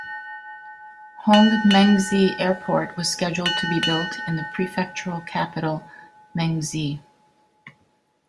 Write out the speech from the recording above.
Honghe Mengzi Airport was scheduled to be built in the prefectural capital Mengzi.